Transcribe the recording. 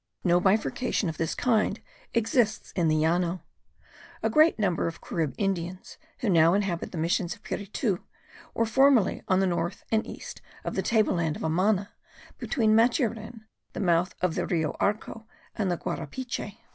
No bifurcation of this kind exists in the Llano. A great number of Carib Indians, who now inhabit the missions of Piritu, were formerly on the north and east of the table land of Amana, between Maturin, the mouth of the Rio Arco, and the Guarapiche.